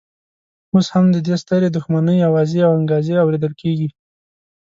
اوس هم د دې سترې دښمنۍ اوازې او انګازې اورېدل کېږي.